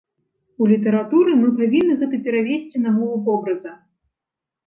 У літаратуры мы павінны гэта перавесці на мову вобраза.